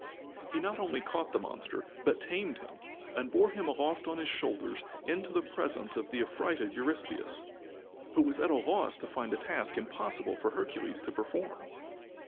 He not only caught the monster, but tamed him, and bore him aloft on his shoulders, into the presence of the affrighted Eurystheus, who was at a loss to find a task impossible for Hercules to perform.